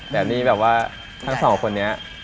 แต่นี่แบบว่าทั้งสองคนนี้